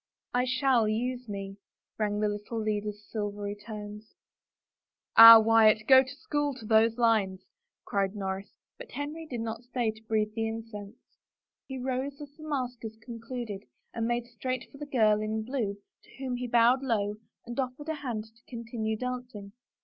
" I shall use me," rang out the little leader's silvery tones. " Ah, Wyatt, go to school to those lines," cried Norris, but Henry did not stay to breathe the incense. He rose as the maskers concluded and made straight for the girl in blue to whom he bowed low and oflFered his hand to continue dancing.